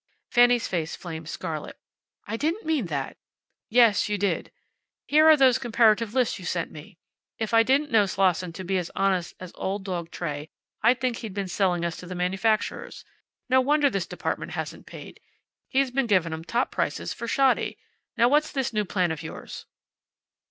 Fanny's face flamed scarlet. "I didn't mean that." "Yes you did. Here are those comparative lists you sent me. If I didn't know Slosson to be as honest as Old Dog Tray I'd think he had been selling us to the manufacturers. No wonder this department hasn't paid. He's been giving 'em top prices for shoddy. Now what's this new plan of yours?"